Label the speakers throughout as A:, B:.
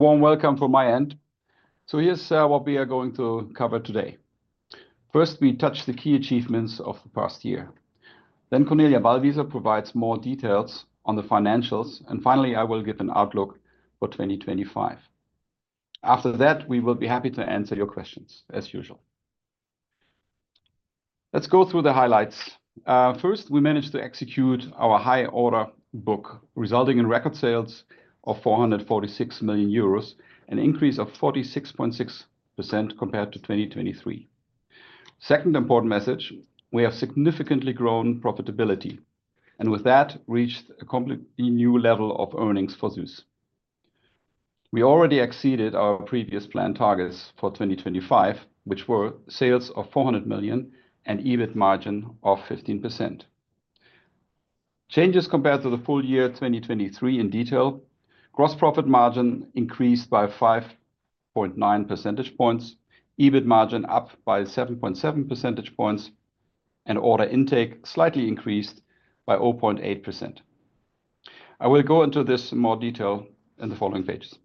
A: Warm welcome from my end. Here is what we are going to cover today. First, we touch the key achievements of the past year. Cornelia Ballwießer provides more details on the financials. Finally, I will give an outlook for 2025. After that, we will be happy to answer your questions as usual. Let's go through the highlights. First, we managed to execute our high order book, resulting in record sales of 446 million euros, an increase of 46.6% compared to 2023. Second important message, we have significantly grown profitability and with that reached a completely new level of earnings for SUSS. We already exceeded our previous planned targets for 2025, which were sales of 400 million and EBIT margin of 15%. Changes compared to the full year 2023 in detail: gross profit margin increased by 5.9 percentage points, EBIT margin up by 7.7 percentage points, and order intake slightly increased by 0.8%. I will go into this in more detail in the following pages.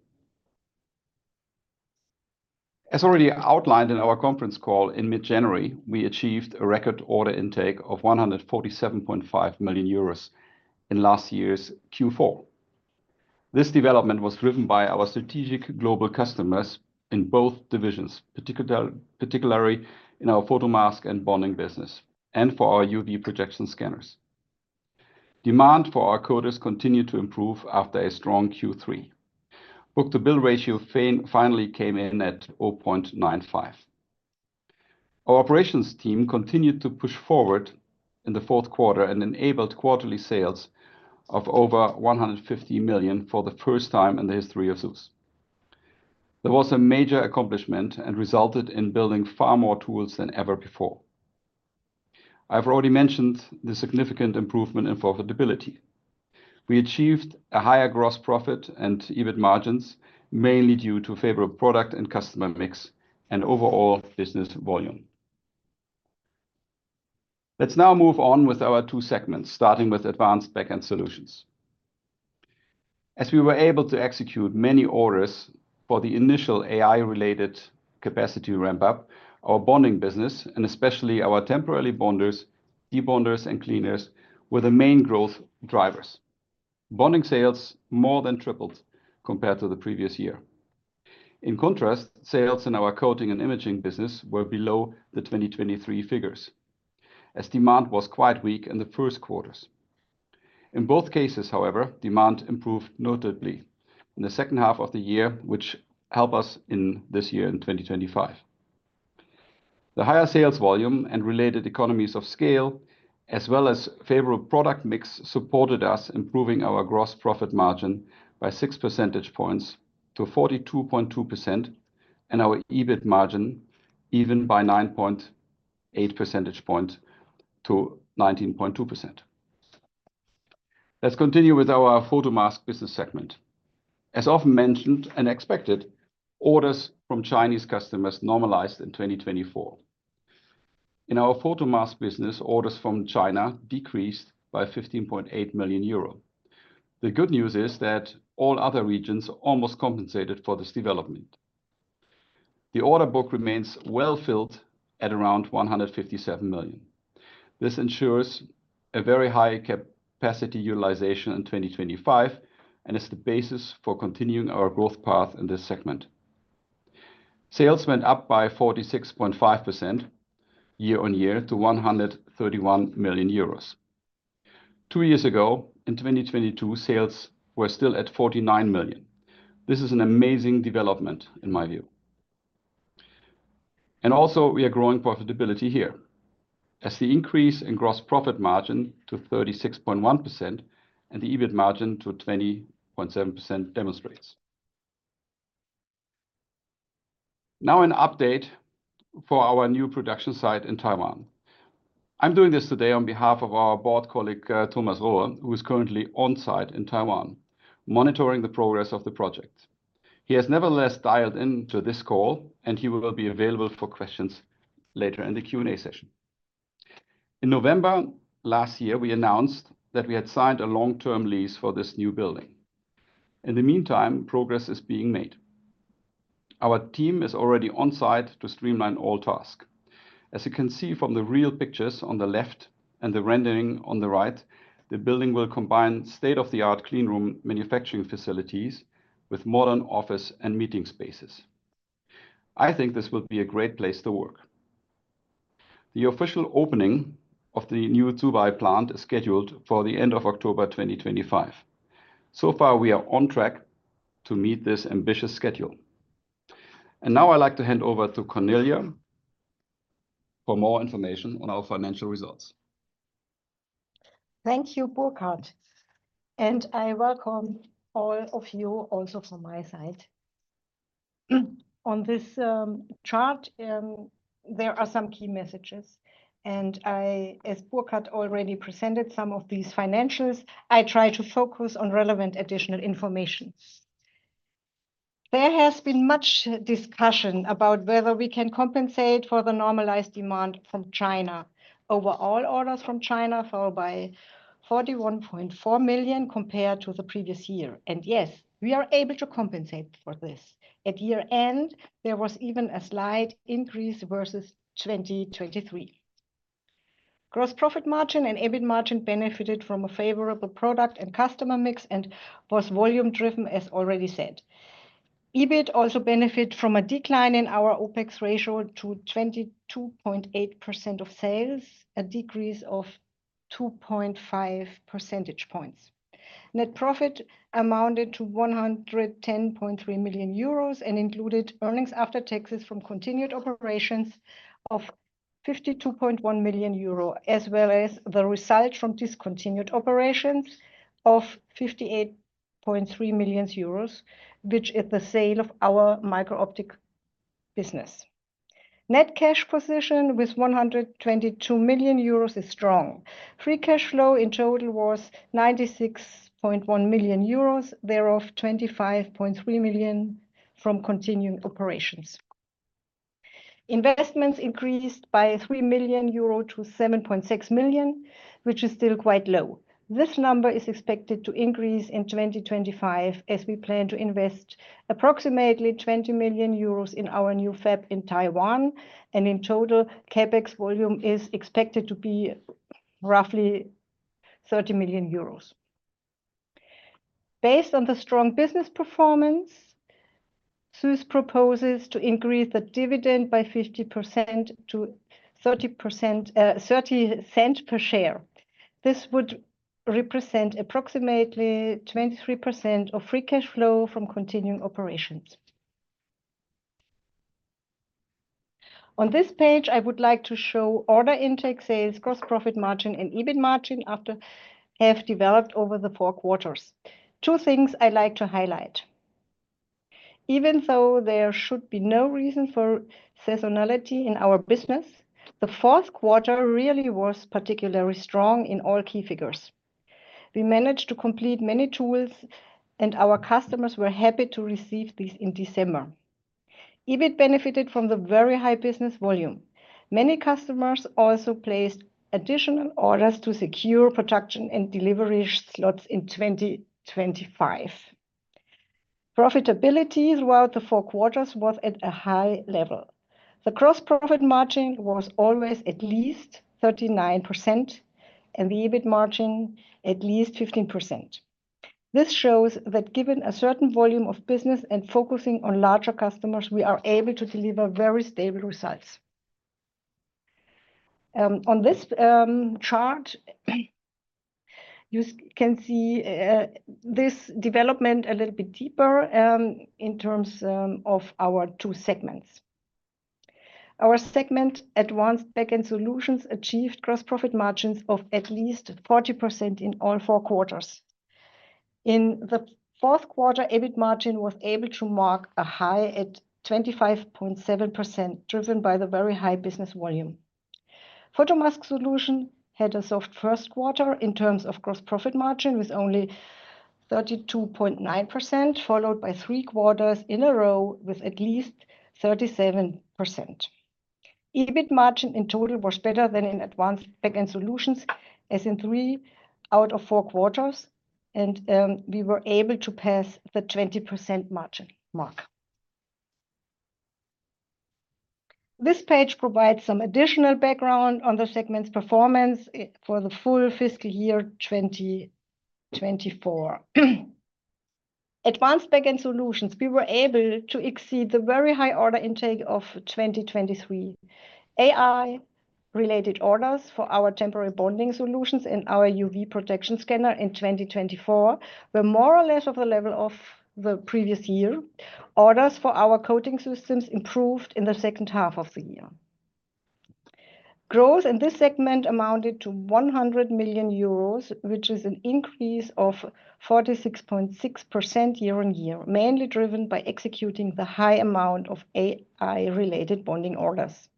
A: As already outlined in our conference call in mid-January, we achieved a record order intake of 147.5 million euros in last year's Q4. This development was driven by our strategic global customers in both divisions, particularly in our photomask and bonding business, and for our UV projection scanners. Demand for our coaters continued to improve after a strong Q3. Book-to-bill ratio finally came in at 0.95. Our operations team continued to push forward in the Q4 and enabled quarterly sales of over 150 million for the first time in the history of SUSS. That was a major accomplishment and resulted in building far more tools than ever before. I've already mentioned the significant improvement in profitability. We achieved a higher gross profit and EBIT margins mainly due to favorable product and customer mix and overall business volume. Let's now move on with our two segments, starting with Advanced Backend Solutions. As we were able to execute many orders for the initial AI-related capacity ramp-up, our bonding business, and especially our temporary bonders, debonders, and cleaners were the main growth drivers. Bonding sales more than tripled compared to the previous year. In contrast, sales in our coating and imaging business were below the 2023 figures as demand was quite weak in the first quarters. In both cases, however, demand improved notably in the second half of the year, which helped us in this year in 2025. The higher sales volume and related economies of scale, as well as favorable product mix, supported us in improving our gross profit margin by 6 percentage points to 42.2% and our EBIT margin even by 9.8 percentage points to 19.2%. Let's continue with our photomask business segment. As often mentioned and expected, orders from Chinese customers normalized in 2024. In our photomask business, orders from China decreased by 15.8 million euro. The good news is that all other regions almost compensated for this development. The order book remains well filled at around 157 million. This ensures a very high capacity utilization in 2025 and is the basis for continuing our growth path in this segment. Sales went up by 46.5% year on year to 131 million euros. Two years ago, in 2022, sales were still at 49 million. This is an amazing development in my view. We are growing profitability here as the increase in gross profit margin to 36.1% and the EBIT margin to 20.7% demonstrates. Now an update for our new production site in Taiwan. I am doing this today on behalf of our board colleague, Thomas Rohe, who is currently on site in Taiwan, monitoring the progress of the project. He has nevertheless dialed into this call, and he will be available for questions later in the Q&A session. In November last year, we announced that we had signed a long-term lease for this new building. In the meantime, progress is being made. Our team is already on site to streamline all tasks. As you can see from the real pictures on the left and the rendering on the right, the building will combine state-of-the-art cleanroom manufacturing facilities with modern office and meeting spaces. I think this will be a great place to work. The official opening of the new Zhubei plant is scheduled for the end of October 2025. So far, we are on track to meet this ambitious schedule. I would like to hand over to Cornelia for more information on our financial results.
B: Thank you, Burkhardt. I welcome all of you also from my side. On this chart, there are some key messages. I, as Burkhardt already presented some of these financials, try to focus on relevant additional information. There has been much discussion about whether we can compensate for the normalized demand from China over all orders from China, followed by 41.4 million compared to the previous year. Yes, we are able to compensate for this. At year-end, there was even a slight increase versus 2023. Gross profit margin and EBIT margin benefited from a favorable product and customer mix and was volume-driven, as already said. EBIT also benefited from a decline in our OPEX ratio to 22.8% of sales, a decrease of 2.5 percentage points. Net profit amounted to 110.3 million euros and included earnings after taxes from continued operations of 52.1 million euro, as well as the result from discontinued operations of 58.3 million euros, which is the sale of our MicroOptics business. Net cash position with 122 million euros is strong. Free cash flow in total was 96.1 million euros, thereof 25.3 million from continuing operations. Investments increased by 3 million euro to 7.6 million, which is still quite low. This number is expected to increase in 2025 as we plan to invest approximately 20 million euros in our new fab in Taiwan. In total, CapEx volume is expected to be roughly 30 million euros. Based on the strong business performance, SUSS proposes to increase the dividend by 50% to EUR 0.30 per share. This would represent approximately 23% of free cash flow from continuing operations. On this page, I would like to show order intake, sales, gross profit margin, and EBIT margin after have developed over the four quarters. Two things I'd like to highlight. Even though there should be no reason for seasonality in our business, the Q4 really was particularly strong in all key figures. We managed to complete many tools, and our customers were happy to receive these in December. EBIT benefited from the very high business volume. Many customers also placed additional orders to secure production and delivery slots in 2025. Profitability throughout the four quarters was at a high level. The gross profit margin was always at least 39%, and the EBIT margin at least 15%. This shows that given a certain volume of business and focusing on larger customers, we are able to deliver very stable results. On this chart, you can see this development a little bit deeper in terms of our two segments. Our segment, Advanced Backend Solutions, achieved gross profit margins of at least 40% in all four quarters. In the fourth quarter, EBIT margin was able to mark a high at 25.7%, driven by the very high business volume. Photomask Solutions had a soft first quarter in terms of gross profit margin with only 32.9%, followed by three quarters in a row with at least 37%. EBIT margin in total was better than in Advanced Backend Solutions, as in three out of four quarters, and we were able to pass the 20% margin mark. This page provides some additional background on the segment's performance for the full fiscal year 2024. Advanced Backend Solutions, we were able to exceed the very high order intake of 2023. AI-related orders for our temporary bonding solutions and our UV projection scanner in 2024 were more or less at the level of the previous year. Orders for our coating systems improved in the second half of the year. Growth in this segment amounted to 100 million euros, which is an increase of 46.6% year on year, mainly driven by executing the high amount of AI-related bonding orders.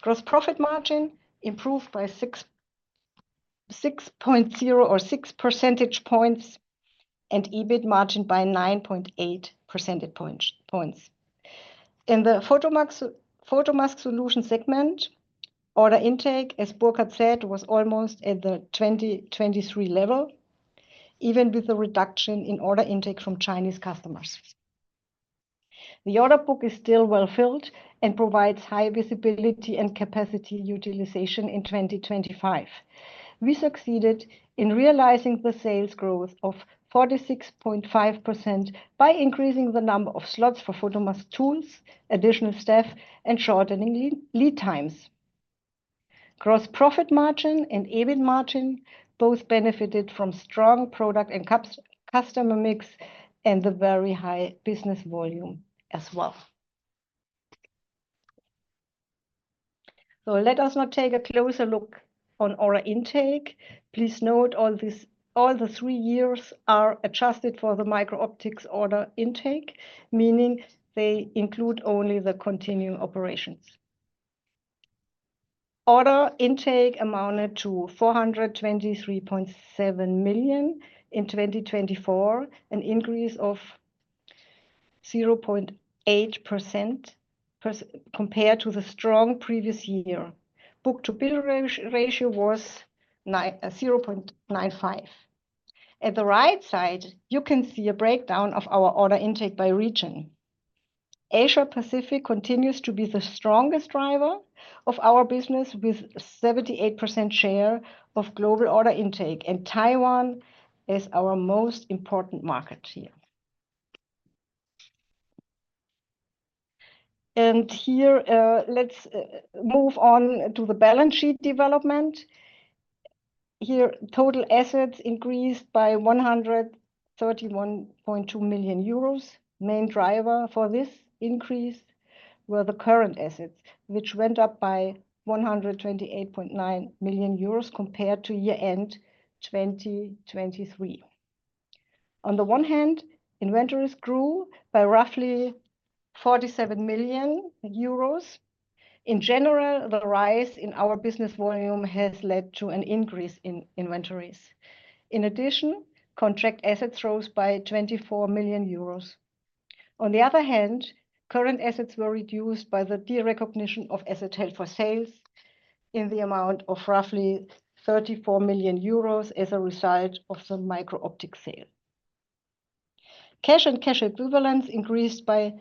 B: Gross profit margin improved by 6.0 percentage points and EBIT margin by 9.8 percentage points. In the Photomask Solutions segment, order intake, as Burkhardt said, was almost at the 2023 level, even with a reduction in order intake from Chinese customers. The order book is still well filled and provides high visibility and capacity utilization in 2025. We succeeded in realizing the sales growth of 46.5% by increasing the number of slots for photomask tools, additional staff, and shortening lead times. Gross profit margin and EBIT margin both benefited from strong product and customer mix and the very high business volume as well. Let us now take a closer look on order intake. Please note all the three years are adjusted for the MicroOptics order intake, meaning they include only the continuing operations. Order intake amounted to 423.7 million in 2024, an increase of 0.8% compared to the strong previous year. Book-to-bill ratio was 0.95. At the right side, you can see a breakdown of our order intake by region. Asia-Pacific continues to be the strongest driver of our business with a 78% share of global order intake, and Taiwan is our most important market here. Here, let's move on to the balance sheet development. Here, total assets increased by 131.2 million euros. Main driver for this increase were the current assets, which went up by 128.9 million euros compared to year-end 2023. On the one hand, inventories grew by roughly 47 million euros. In general, the rise in our business volume has led to an increase in inventories. In addition, contract assets rose by 24 million euros. On the other hand, current assets were reduced by the derecognition of asset held for sales in the amount of roughly 34 million euros as a result of the MicroOptics sale. Cash and cash equivalents increased by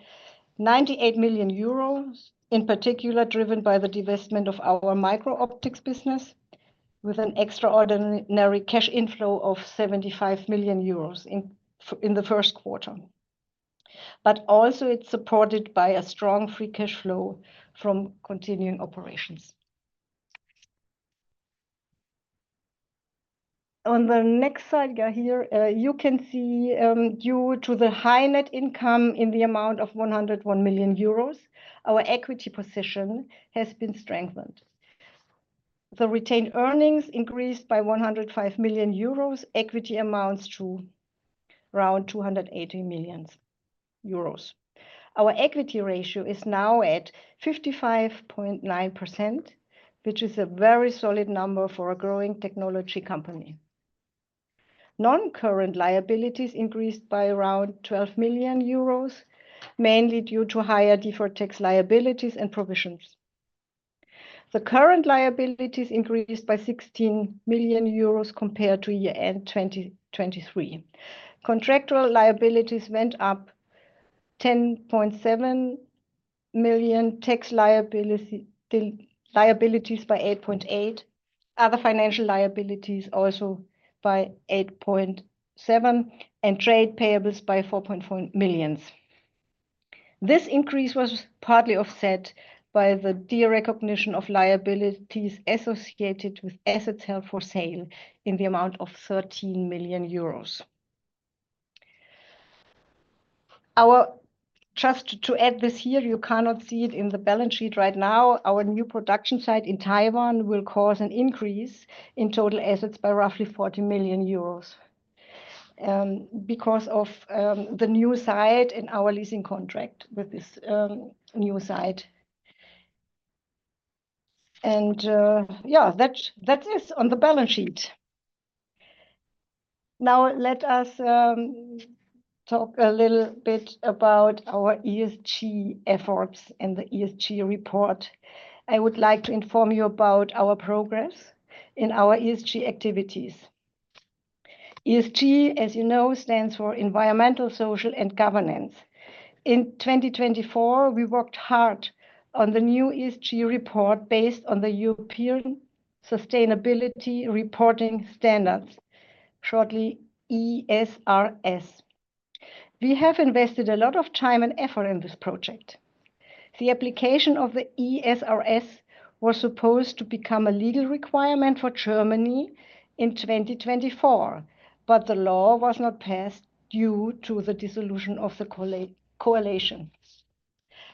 B: 98 million euros, in particular driven by the divestment of our MicroOptics business with an extraordinary cash inflow of 75 million euros in the first quarter. It is also supported by a strong free cash flow from continuing operations. On the next slide here, you can see due to the high net income in the amount of 101 million euros, our equity position has been strengthened. The retained earnings increased by 105 million euros, equity amounts to around 280 million euros. Our equity ratio is now at 55.9%, which is a very solid number for a growing technology company. Non-current liabilities increased by around 12 million euros, mainly due to higher deferred tax liabilities and provisions. The current liabilities increased by 16 million euros compared to year-end 2023. Contractual liabilities went up 10.7 million, tax liabilities by 8.8 million, other financial liabilities also by 8.7 million, and trade payables by 4.4 million. This increase was partly offset by the derecognition of liabilities associated with assets held for sale in the amount of 13 million euros. Just to add this here, you cannot see it in the balance sheet right now. Our new production site in Taiwan will cause an increase in total assets by roughly 40 million euros because of the new site and our leasing contract with this new site. Yeah, that's it on the balance sheet. Now, let us talk a little bit about our ESG efforts and the ESG report. I would like to inform you about our progress in our ESG activities. ESG, as you know, stands for Environmental, Social, and Governance. In 2024, we worked hard on the new ESG report based on the European Sustainability Reporting Standards, shortly ESRS. We have invested a lot of time and effort in this project. The application of the ESRS was supposed to become a legal requirement for Germany in 2024, but the law was not passed due to the dissolution of the coalition.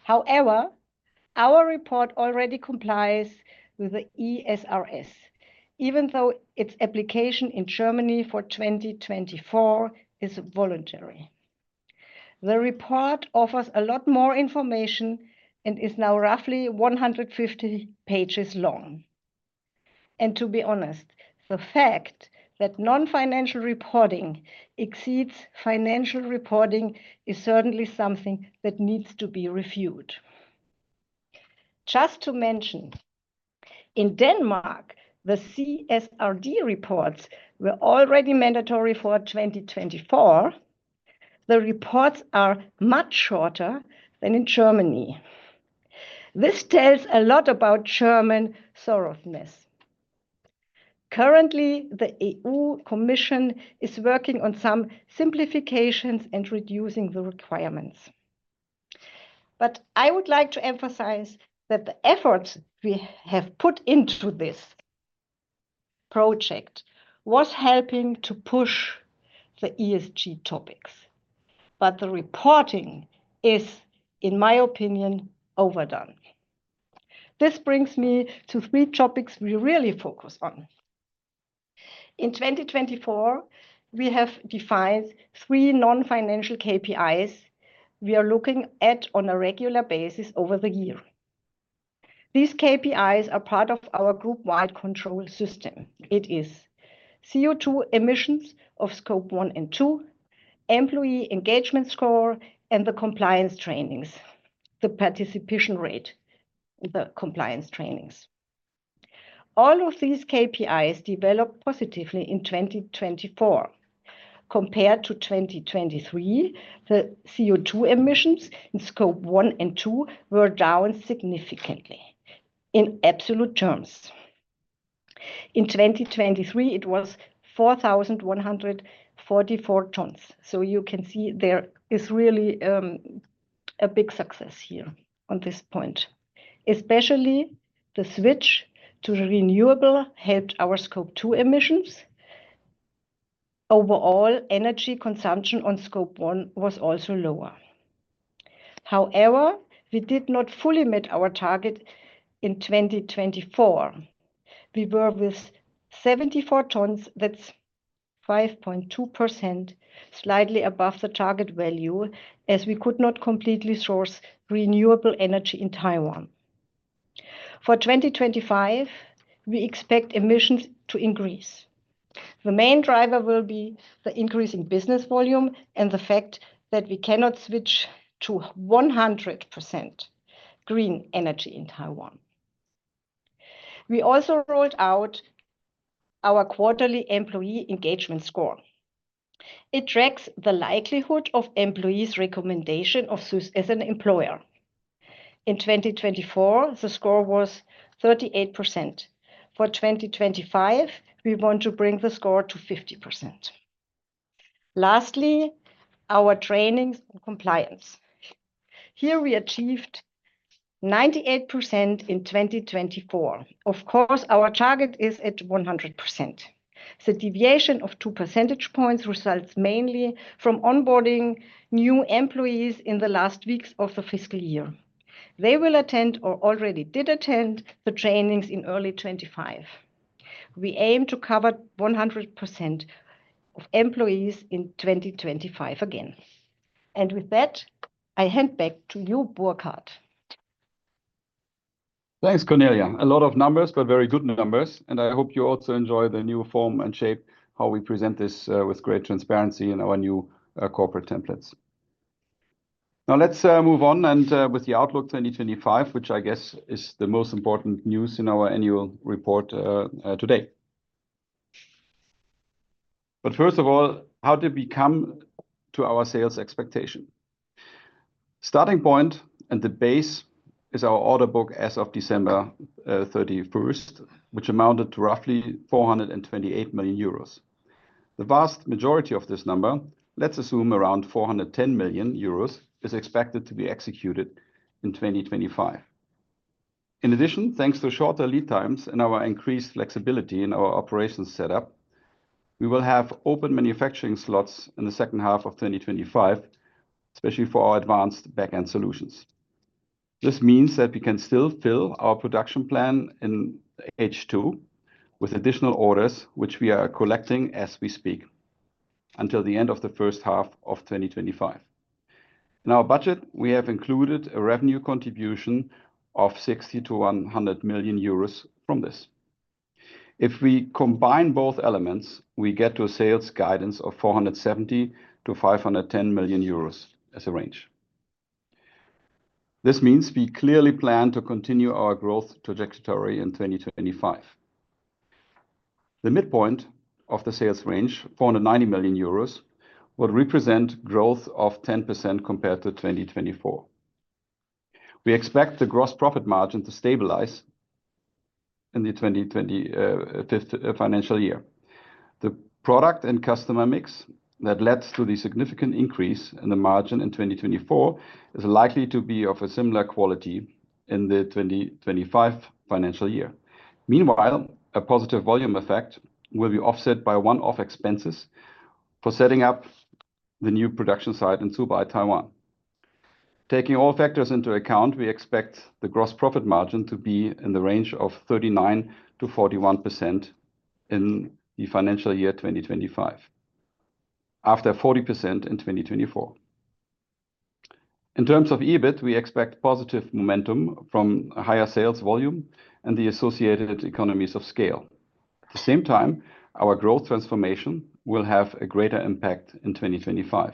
B: However, our report already complies with the ESRS, even though its application in Germany for 2024 is voluntary. The report offers a lot more information and is now roughly 150 pages long. To be honest, the fact that non-financial reporting exceeds financial reporting is certainly something that needs to be reviewed. Just to mention, in Denmark, the CSRD reports were already mandatory for 2024. The reports are much shorter than in Germany. This tells a lot about German sorrowfulness. Currently, the EU Commission is working on some simplifications and reducing the requirements. I would like to emphasize that the efforts we have put into this project were helping to push the ESG topics. The reporting is, in my opinion, overdone. This brings me to three topics we really focus on. In 2024, we have defined three non-financial KPIs we are looking at on a regular basis over the year. These KPIs are part of our group-wide control system. It is CO2 emissions of Scope 1 and 2, employee engagement score, and the compliance trainings, the participation rate, the compliance trainings. All of these KPIs developed positively in 2024. Compared to 2023, the CO2 emissions in Scope 1 and 2 were down significantly in absolute terms. In 2023, it was 4,144 tons. You can see there is really a big success here on this point. Especially the switch to renewable helped our Scope 2 emissions. Overall, energy consumption on Scope 1 was also lower. However, we did not fully meet our target in 2024. We were with 74 tons, that's 5.2%, slightly above the target value as we could not completely source renewable energy in Taiwan. For 2025, we expect emissions to increase. The main driver will be the increase in business volume and the fact that we cannot switch to 100% green energy in Taiwan. We also rolled out our quarterly employee engagement score. It tracks the likelihood of employees' recommendation of SUSS as an employer. In 2024, the score was 38%. For 2025, we want to bring the score to 50%. Lastly, our trainings on compliance. Here we achieved 98% in 2024. Of course, our target is at 100%. The deviation of two percentage points results mainly from onboarding new employees in the last weeks of the fiscal year. They will attend or already did attend the trainings in early 2025. We aim to cover 100% of employees in 2025 again. With that, I hand back to you, Burkhardt.
A: Thanks, Cornelia. A lot of numbers, but very good numbers. I hope you also enjoy the new form and shape, how we present this with great transparency in our new corporate templates. Now let's move on with the outlook 2025, which I guess is the most important news in our annual report today. First of all, how did we come to our sales expectation? Starting point and the base is our order book as of December 31, which amounted to roughly 428 million euros. The vast majority of this number, let's assume around 410 million euros, is expected to be executed in 2025. In addition, thanks to shorter lead times and our increased flexibility in our operations setup, we will have open manufacturing slots in the second half of 2025, especially for our Advanced Backend Solutions. This means that we can still fill our production plan in H2 with additional orders, which we are collecting as we speak until the end of the first half of 2025. In our budget, we have included a revenue contribution of 60 million-100 million euros from this. If we combine both elements, we get to a sales guidance of 470 million-510 million euros as a range. This means we clearly plan to continue our growth trajectory in 2025. The midpoint of the sales range, 490 million euros, would represent growth of 10% compared to 2024. We expect the gross profit margin to stabilize in the 2025 financial year. The product and customer mix that led to the significant increase in the margin in 2024 is likely to be of a similar quality in the 2025 financial year. Meanwhile, a positive volume effect will be offset by one-off expenses for setting up the new production site in Zhubei, Taiwan. Taking all factors into account, we expect the gross profit margin to be in the range of 39%-41% in the financial year 2025, after 40% in 2024. In terms of EBIT, we expect positive momentum from higher sales volume and the associated economies of scale. At the same time, our growth transformation will have a greater impact in 2025.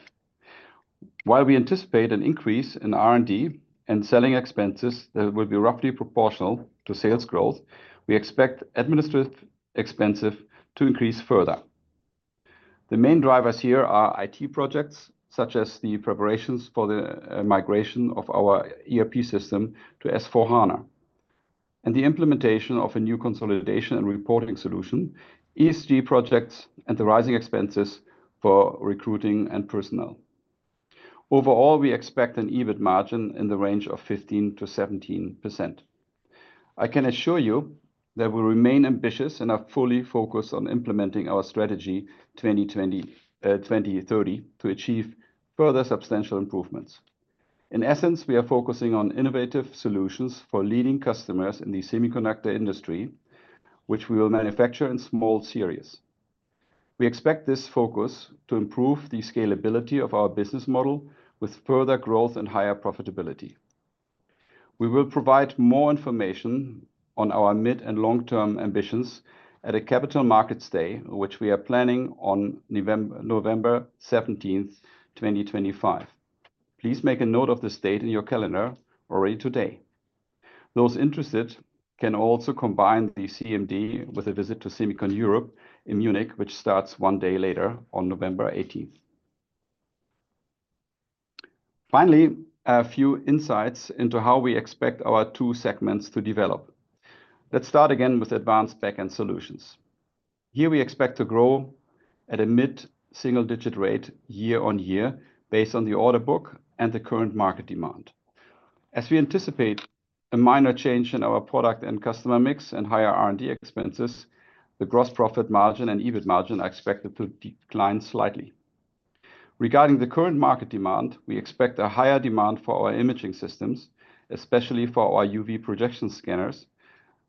A: While we anticipate an increase in R&D and selling expenses that will be roughly proportional to sales growth, we expect administrative expenses to increase further. The main drivers here are IT projects, such as the preparations for the migration of our ERP system to S/4HANA, and the implementation of a new consolidation and reporting solution, ESG projects, and the rising expenses for recruiting and personnel. Overall, we expect an EBIT margin in the range of 15%-17%. I can assure you that we remain ambitious and are fully focused on implementing our strategy 2030 to achieve further substantial improvements. In essence, we are focusing on innovative solutions for leading customers in the semiconductor industry, which we will manufacture in small series. We expect this focus to improve the scalability of our business model with further growth and higher profitability. We will provide more information on our mid and long-term ambitions at a Capital Markets Day, which we are planning on November 17th, 2025. Please make a note of this date in your calendar already today. Those interested can also combine the CMD with a visit to Semicon Europe in Munich, which starts one day later on November 18th. Finally, a few insights into how we expect our two segments to develop. Let's start again with Advanced Backend Solutions. Here we expect to grow at a mid-single-digit rate year on year based on the order book and the current market demand. As we anticipate a minor change in our product and customer mix and higher R&D expenses, the gross profit margin and EBIT margin are expected to decline slightly. Regarding the current market demand, we expect a higher demand for our imaging systems, especially for our UV projection scanners,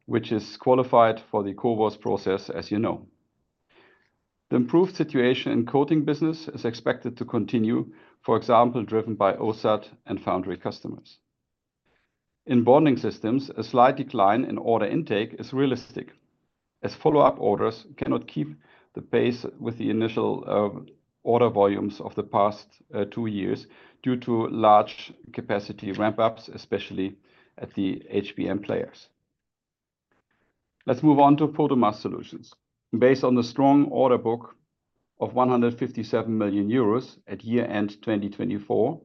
A: which is qualified for the CoWoS process, as you know. The improved situation in the coating business is expected to continue, for example, driven by OSAT and foundry customers. In bonding systems, a slight decline in order intake is realistic, as follow-up orders cannot keep the pace with the initial order volumes of the past two years due to large capacity ramp-ups, especially at the HBM players. Let's move on to Photomask Solutions. Based on the strong order book of 157 million euros at year-end 2024,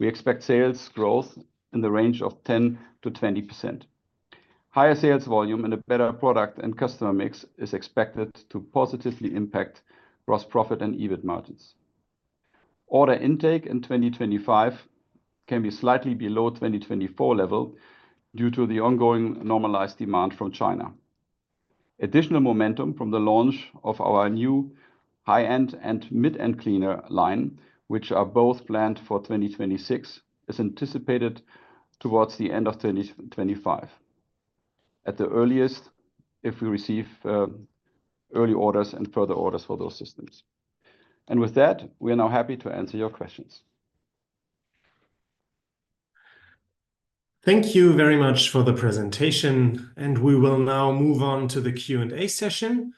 A: we expect sales growth in the range of 10%-20%. Higher sales volume and a better product and customer mix is expected to positively impact gross profit and EBIT margins. Order intake in 2025 can be slightly below 2024 level due to the ongoing normalized demand from China. Additional momentum from the launch of our new high-end and mid-end cleaner line, which are both planned for 2026, is anticipated towards the end of 2025, at the earliest if we receive early orders and further orders for those systems. We are now happy to answer your questions.
C: Thank you very much for the presentation, and we will now move on to the Q&A session.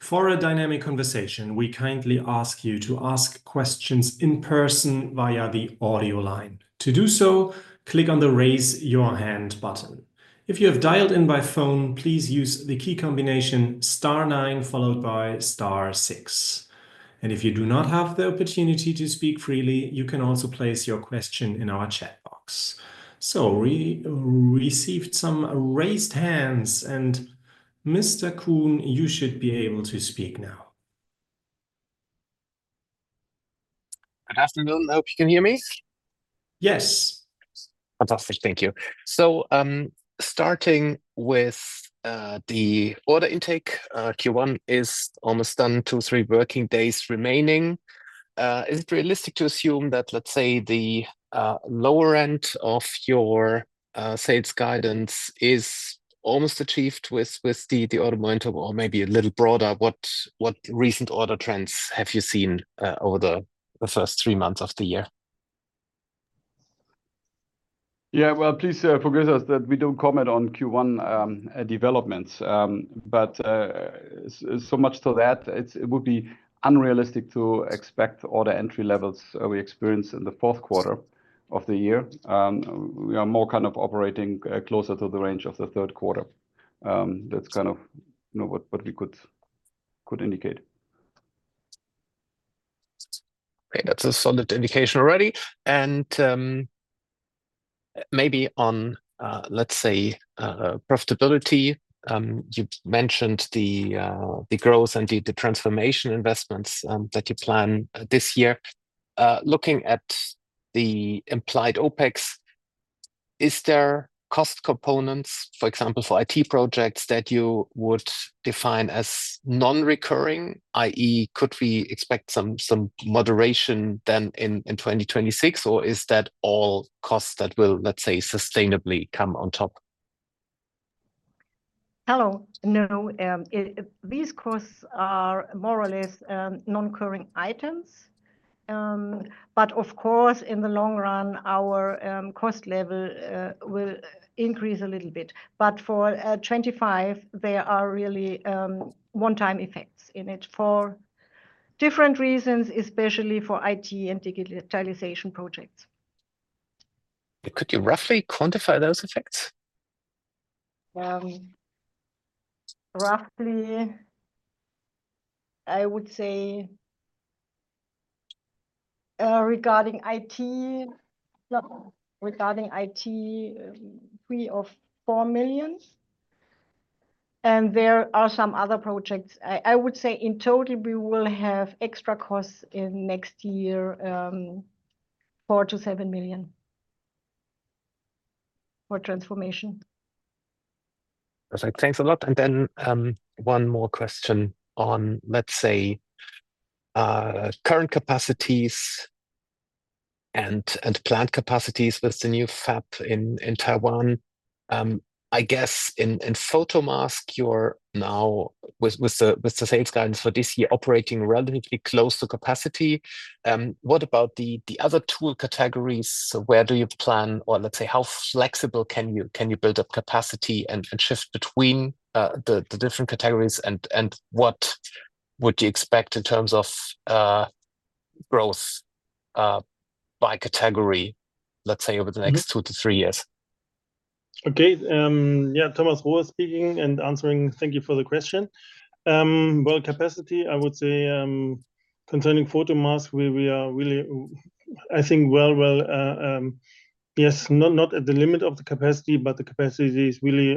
C: For a dynamic conversation, we kindly ask you to ask questions in person via the audio line. To do so, click on the raise your hand button. If you have dialed in by phone, please use the key combination star nine followed by star six. If you do not have the opportunity to speak freely, you can also place your question in our chat box. We received some raised hands, and Mr. Kuhn, you should be able to speak now.
D: Good afternoon. I hope you can hear me.
C: Yes.
D: Fantastic. Thank you. Starting with the order intake, Q1 is almost done, two or three working days remaining. Is it realistic to assume that, let's say, the lower end of your sales guidance is almost achieved with the order momentum or maybe a little broader? What recent order trends have you seen over the first three months of the year?
A: Yeah, please forgive us that we do not comment on Q1 developments, but so much to that, it would be unrealistic to expect order entry levels we experience in the Q4 of the year. We are more kind of operating closer to the range of the third quarter. That is kind of what we could indicate.
D: That is a solid indication already. Maybe on, let's say, profitability, you mentioned the growth and the transformation investments that you plan this year. Looking at the implied OpEx, is there cost components, for example, for IT projects that you would define as non-recurring, i.e., could we expect some moderation then in 2026, or is that all costs that will, let's say, sustainably come on top?
B: Hello. No, these costs are more or less non-recurring items. Of course, in the long run, our cost level will increase a little bit. For 2025, there are really one-time effects in it for different reasons, especially for IT and digitalization projects. Could you roughly quantify those effects? Roughly, I would say regarding IT, 3 million or 4 million. There are some other projects. I would say in total, we will have extra costs in next year, 4 million-7 million for transformation.
D: Perfect. Thanks a lot. One more question on, let's say, current capacities and plant capacities with the new fab in Taiwan. I guess in Photomask, you are now with the sales guidance for this year operating relatively close to capacity. What about the other tool categories? Where do you plan, or let's say, how flexible can you build up capacity and shift between the different categories? What would you expect in terms of growth by category, let's say, over the next two to three years?
E: Okay. Yeah, Thomas Rohe speaking and answering. Thank you for the question. Capacity, I would say concerning Photomask, we are really, I think, well, yes, not at the limit of the capacity, but the capacity is really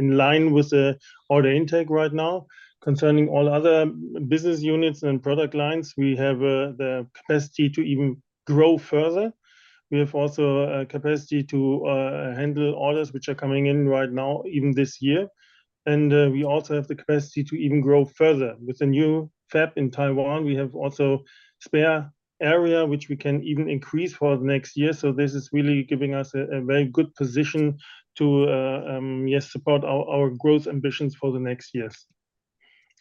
E: in line with the order intake right now. Concerning all other business units and product lines, we have the capacity to even grow further. We have also a capacity to handle orders which are coming in right now, even this year. We also have the capacity to even grow further. With the new fab in Taiwan, we have also a spare area, which we can even increase for the next year. This is really giving us a very good position to, yes, support our growth ambitions for the next years.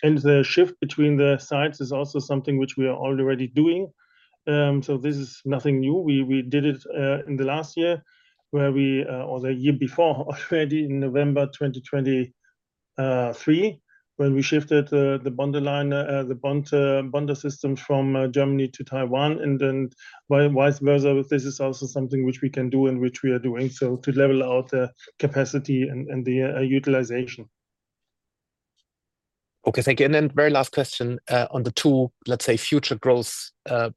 E: The shift between the sites is also something which we are already doing. This is nothing new. We did it in the last year where we, or the year before already in November 2023, when we shifted the bonder line, the bonder system from Germany to Taiwan and then vice versa. This is also something which we can do and which we are doing to level out the capacity and the utilization.
D: Okay, thank you. Very last question on the two, let's say, future growth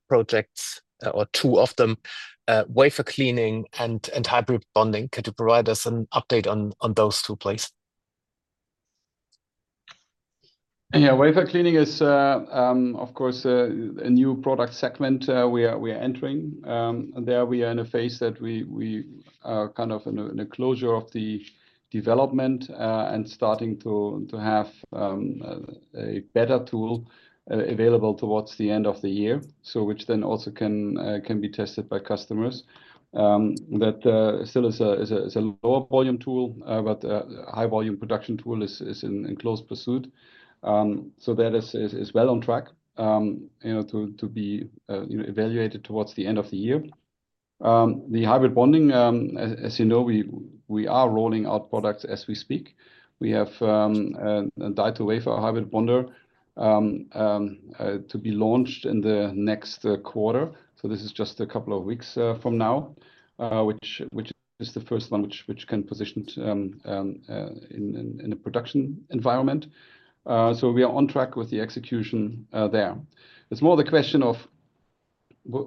D: projects or two of them, wafer cleaning and hybrid bonding. Could you provide us an update on those two, please?
A: Yeah, wafer cleaning is, of course, a new product segment we are entering. There we are in a phase that we are kind of in a closure of the development and starting to have a better tool available towards the end of the year, which then also can be tested by customers. That still is a lower volume tool, but a high volume production tool is in close pursuit. That is well on track to be evaluated towards the end of the year. The hybrid bonding, as you know, we are rolling out products as we speak. We have a Die-to-Wafer hybrid bonder to be launched in the next quarter. This is just a couple of weeks from now, which is the first one which can be positioned in a production environment. We are on track with the execution there. It is more the question of,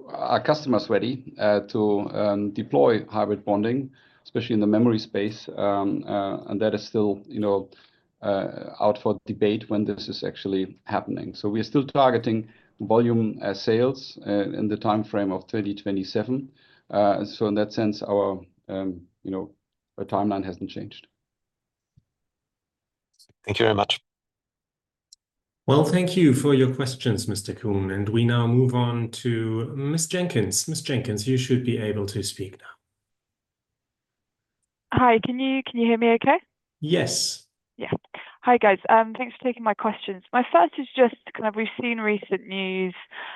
A: are customers ready to deploy hybrid bonding, especially in the memory space? That is still out for debate when this is actually happening. We are still targeting volume sales in the timeframe of 2027. In that sense, our timeline has not changed.
D: Thank you very much.
C: Thank you for your questions, Mr. Kuhn. We now move on to Ms. Jenkins. Ms. Jenkins, you should be able to speak now.
D: Hi, can you hear me okay?
C: Yes.
D: Yeah. Hi, guys. Thanks for taking my questions. My first is just kind of, we've seen recent news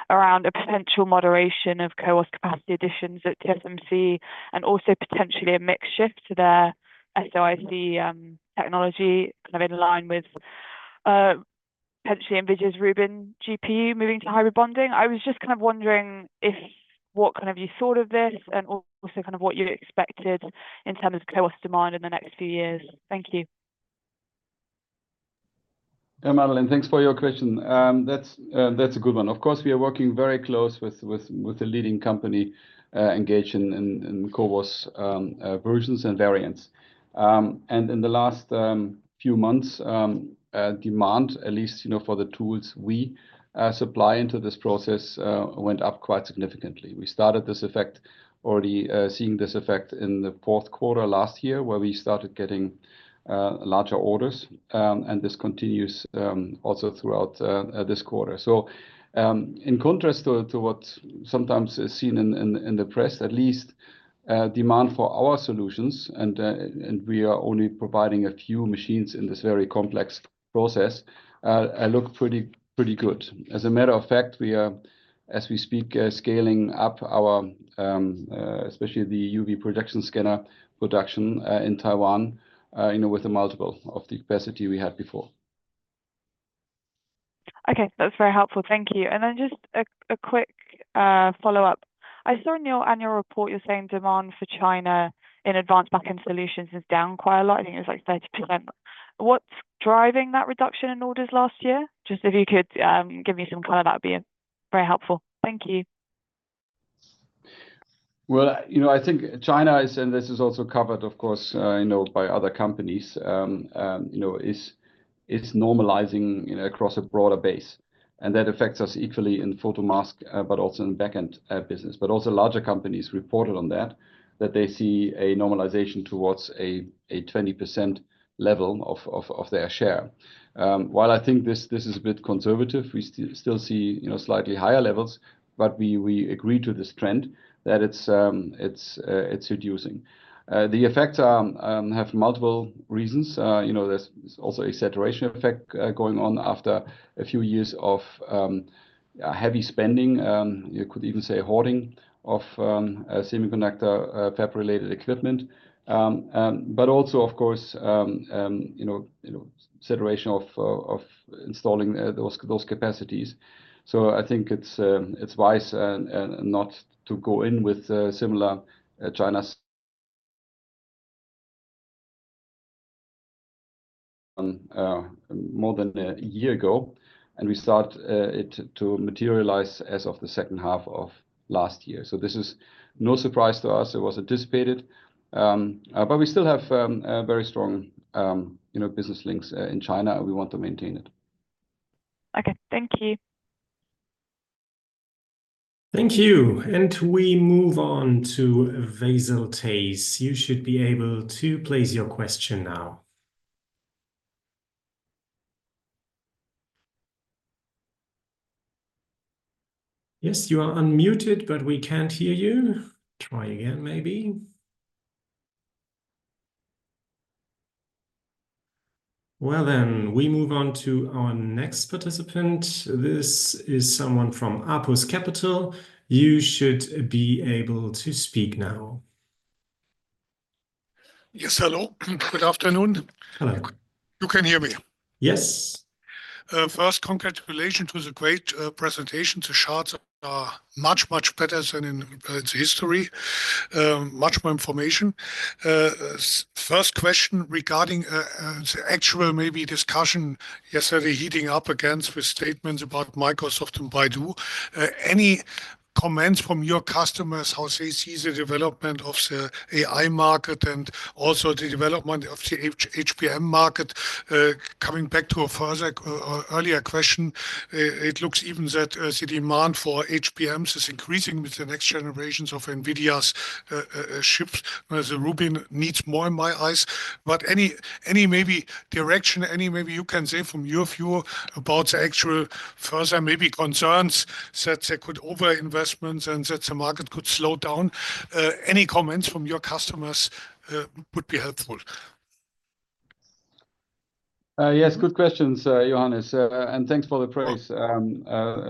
D: around a potential moderation of CoWoS capacity additions at TSMC and also potentially a mix shift to their SOIC technology kind of in line with potentially NVIDIA's Rubin GPU moving to hybrid bonding. I was just kind of wondering what kind of you thought of this and also kind of what you expected in terms of CoWoS demand in the next few years. Thank you.
A: Madeleine, thanks for your question. That's a good one. Of course, we are working very close with the leading company engaged in CoWoS versions and variants. In the last few months, demand, at least for the tools we supply into this process, went up quite significantly. We started this effect already seeing this effect in the Q4 last year where we started getting larger orders. This continues also throughout this quarter. In contrast to what sometimes is seen in the press, at least demand for our solutions, and we are only providing a few machines in this very complex process, look pretty good. As a matter of fact, as we speak, scaling up our, especially the UV projection scanner production in Taiwan with the multiple of the capacity we had before.
D: Okay, that's very helpful. Thank you. Just a quick follow-up. I saw in your annual report, you're saying demand for China in advanced back-end solutions is down quite a lot. I think it was like 30%. What's driving that reduction in orders last year? Just if you could give me some color, that would be very helpful. Thank you.
A: I think China is, and this is also covered, of course, by other companies, is normalizing across a broader base. That affects us equally in Photomask, but also in back-end business. Larger companies reported on that, that they see a normalization towards a 20% level of their share. While I think this is a bit conservative, we still see slightly higher levels, but we agree to this trend that it's reducing. The effects have multiple reasons. There's also a saturation effect going on after a few years of heavy spending, you could even say hoarding of semiconductor fab-related equipment, but also, of course, saturation of installing those capacities. I think it's wise not to go in with similar China's more than a year ago, and we started to materialize as of the second half of last year. This is no surprise to us. It was anticipated, but we still have very strong business links in China, and we want to maintain it.
D: Okay, thank you.
C: Thank you. We move on to Veysel Taze. You should be able to place your question now. Yes, you are unmuted, but we can't hear you. Try again, maybe. We move on to our next participant. This is someone from Apus Capital. You should be able to speak now.
F: Yes, hello. Good afternoon. Hello. You can hear me. Yes. First, congratulations to the great presentation. The charts are much, much better than in history. Much more information. First question regarding the actual maybe discussion yesterday heating up against with statements about Microsoft and Baidu. Any comments from your customers how they see the development of the AI market and also the development of the HBM market? Coming back to a further earlier question, it looks even that the demand for HBMs is increasing with the next generations of NVIDIA's chips. Rubin needs more in my eyes. Any maybe direction, any maybe you can say from your view about the actual further maybe concerns that there could over-investments and that the market could slow down? Any comments from your customers would be helpful.
A: Yes, good questions, Johannes. Thanks for the praise. A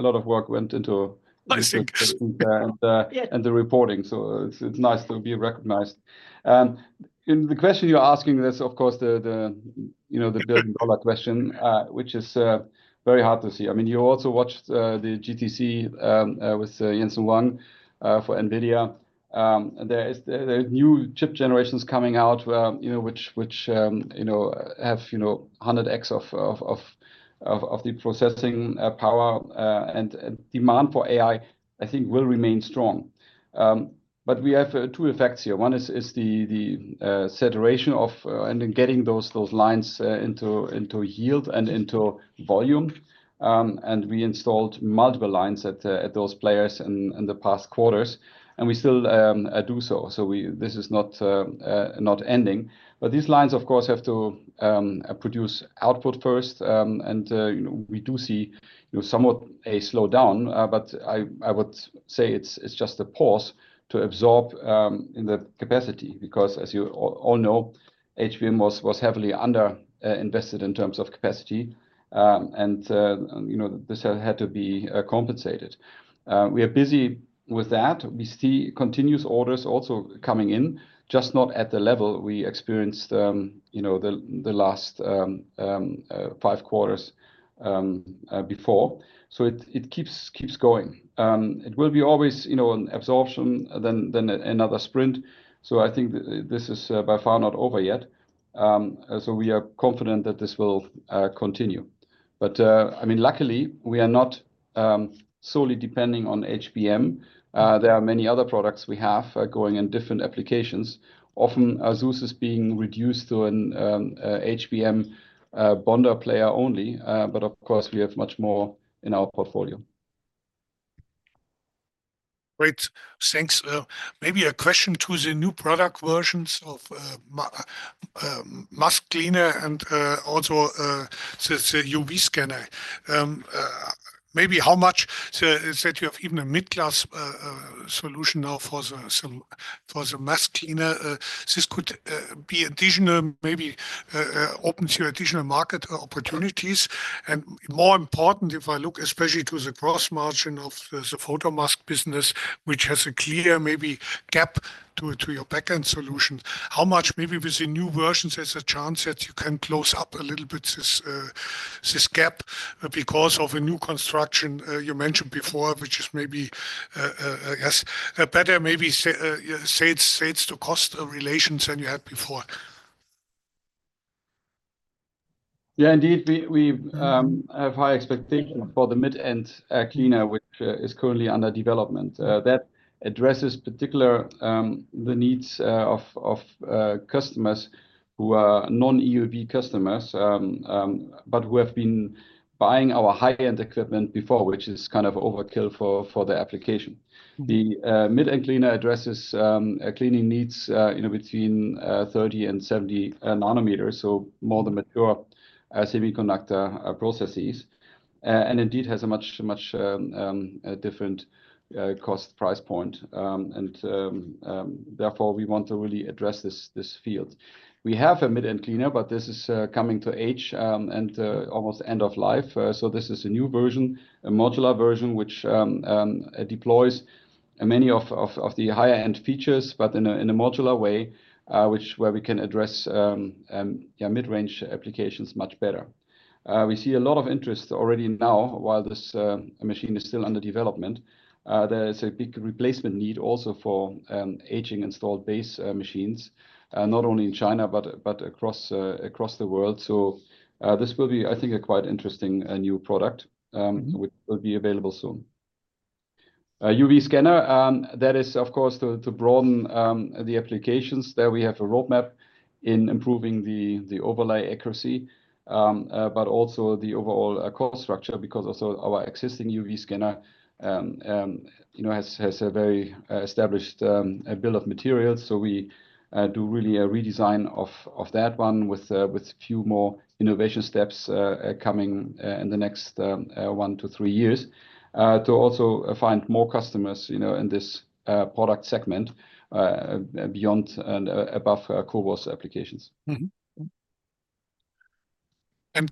A: lot of work went into the reporting, so it's nice to be recognized. In the question you're asking, there's of course the billion-dollar question, which is very hard to see. I mean, you also watched the GTC with Jensen Huang for NVIDIA. There are new chip generations coming out which have 100x of the processing power, and demand for AI, I think, will remain strong. We have two effects here. One is the saturation of and getting those lines into yield and into volume. We installed multiple lines at those players in the past quarters, and we still do so. This is not ending. These lines, of course, have to produce output first. We do see somewhat a slowdown, but I would say it's just a pause to absorb in the capacity because, as you all know, HBM was heavily under-invested in terms of capacity. This had to be compensated. We are busy with that. We see continuous orders also coming in, just not at the level we experienced the last five quarters before. It keeps going. It will always be an absorption, then another sprint. I think this is by far not over yet. We are confident that this will continue. I mean, luckily, we are not solely depending on HBM. There are many other products we have going in different applications. Often SUSS is being reduced to an HBM bonder player only, but of course, we have much more in our portfolio.
F: Great, thanks. Maybe a question to the new product versions of mask cleaner and also the UV scanner. Maybe how much that you have even a mid-class solution now for the mask cleaner. This could be additional, maybe opens your additional market opportunities. More important, if I look especially to the gross margin of the Photomask business, which has a clear maybe gap to your back-end solution, how much maybe with the new versions there's a chance that you can close up a little bit this gap because of a new construction you mentioned before, which is maybe better maybe sales to cost relations than you had before.
A: Yeah, indeed, we have high expectations for the mid-end cleaner, which is currently under development. That addresses particularly the needs of customers who are non-EUV customers, but who have been buying our high-end equipment before, which is kind of overkill for the application. The mid-end cleaner addresses cleaning needs between 30 and 70 nanometers, so more the mature semiconductor processes. Indeed, has a much different cost price point. Therefore, we want to really address this field. We have a mid-end cleaner, but this is coming to age and almost end of life. This is a new version, a modular version, which deploys many of the higher-end features, but in a modular way, where we can address mid-range applications much better. We see a lot of interest already now while this machine is still under development. There is a big replacement need also for aging installed base machines, not only in China, but across the world. This will be, I think, a quite interesting new product which will be available soon. UV scanner, that is of course to broaden the applications. There we have a roadmap in improving the overlay accuracy, but also the overall cost structure because also our existing UV scanner has a very established bill of materials. We do really a redesign of that one with a few more innovation steps coming in the next one to three years to also find more customers in this product segment beyond and above CoWoS applications.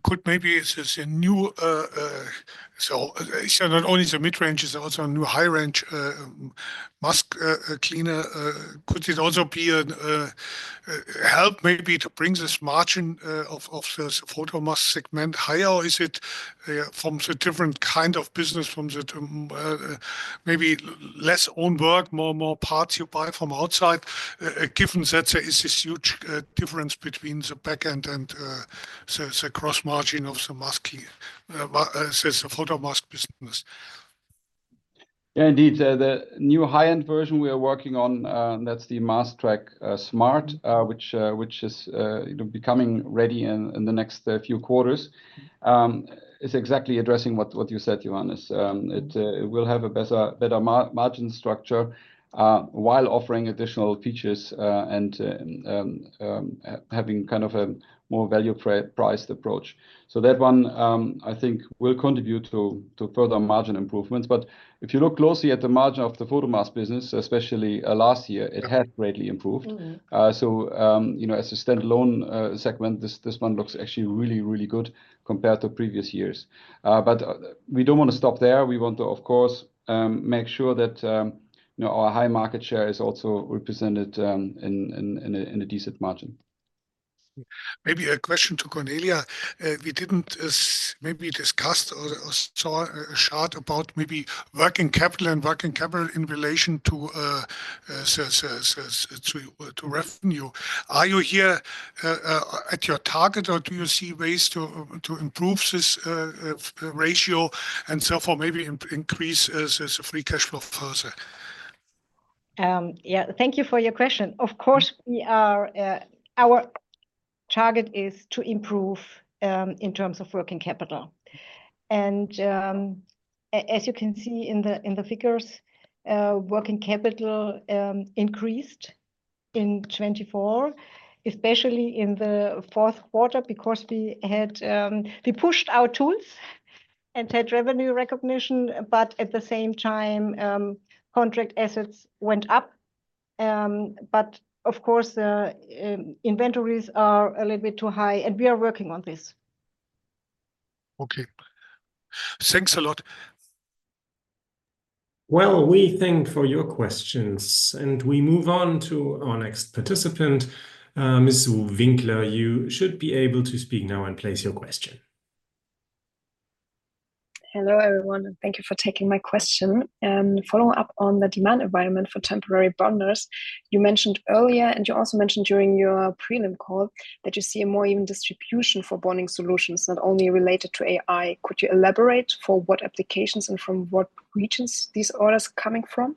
F: Could maybe this is a new, so not only the mid-range, it is also a new high-range mask cleaner. Could it also be a help maybe to bring this margin of the Photomask segment higher or is it from the different kind of business, from maybe less own work, more parts you buy from outside, given that there is this huge difference between the back-end and the gross margin of the masking, the Photomask business?
A: Yeah, indeed. The new high-end version we are working on, that is the MaskTrack Smart, which is becoming ready in the next few quarters, is exactly addressing what you said, Johannes. It will have a better margin structure while offering additional features and having kind of a more value-priced approach. That one, I think, will contribute to further margin improvements. If you look closely at the margin of the Photomask business, especially last year, it has greatly improved. As a standalone segment, this one looks actually really, really good compared to previous years. We do not want to stop there. We want to, of course, make sure that our high market share is also represented in a decent margin.
F: Maybe a question to Cornelia. We did not discuss or see a chart about working capital and working capital in relation to revenue. Are you here at your target or do you see ways to improve this ratio and therefore maybe increase the free cash flow further?
B: Yeah, thank you for your question. Of course, our target is to improve in terms of working capital. As you can see in the figures, working capital increased in 2024, especially in the Q4 because we pushed our tools and had revenue recognition, but at the same time, contract assets went up. Inventories are a little bit too high, and we are working on this.
F: Thanks a lot.
C: We thank you for your questions, and we move on to our next participant, Ms. Winkler. You should be able to speak now and place your question.
D: Hello everyone, and thank you for taking my question. Following up on the demand environment for temporary bonders you mentioned earlier, and you also mentioned during your prelim call, that you see a more even distribution for bonding solutions, not only related to AI. Could you elaborate for what applications and from what regions these orders are coming from?